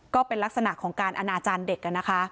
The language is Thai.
ก็เป็นลักษณะของการอนาจารย์เด็ก